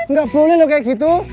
nggak boleh loh kayak gitu